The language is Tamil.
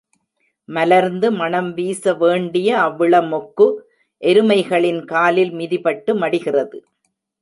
மலர்ந்து மணம் வீசவேண்டிய அவ்விளமொக்கு, எருமைகளின் காலில் மிதிபட்டு மடிகிறது.